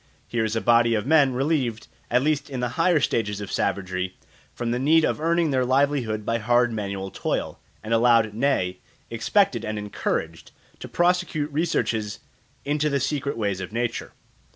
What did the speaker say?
Here is a body of men relieved, at least in the higher stages of savagery, from the need of earning their livelihood by hard manual toil, and allowed, nay, expected and encouraged, to prosecute researches into the secret ways of nature.